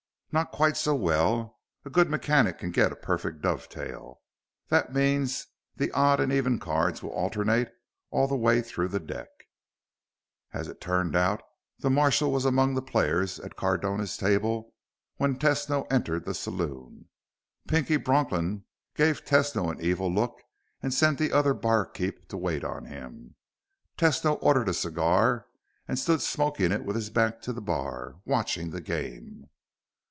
"Not quite so well. A good mechanic can get a perfect dovetail. That means the odd and even cards will alternate all the way through the deck...." As it turned out, the marshal was among the players at Cardona's table when Tesno entered the saloon. Pinky Bronklin gave Tesno an evil look and sent the other barkeep to wait on him. Tesno ordered a cigar and stood smoking it with his back to the bar, watching the game.